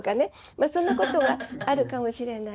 まあそんなことがあるかもしれない。